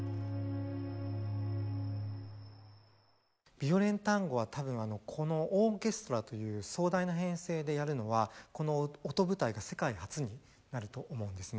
「ビオレンタンゴ」はたぶんこのオーケストラという壮大な編成でやるのはこの「音舞台」が世界初になると思うんですね。